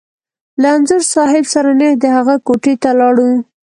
له انځور صاحب سره نېغ د هغه کوټې ته لاړو.